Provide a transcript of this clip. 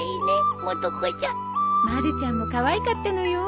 まるちゃんもかわいかったのよ。